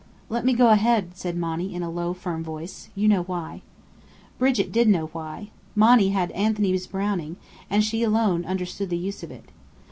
"Let me go ahead," said Monny, in a low, firm voice. "You know why." Brigit did know why. Monny had Anthony's Browning, and she alone understood the use of it.